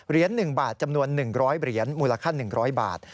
๑บาทจำนวน๑๐๐เหรียญมูลค่า๑๐๐บาท